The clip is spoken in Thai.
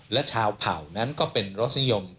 และชาวเผ่านั้นก็เป็นรสนิยม